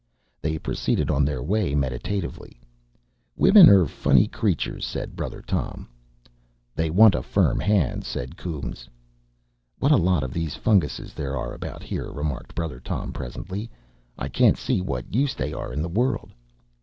They proceeded on their way meditatively. "Women are funny creatures," said Brother Tom. "They want a firm hand," says Coombes. "What a lot of these funguses there are about here!" remarked Brother Tom presently. "I can't see what use they are in the world."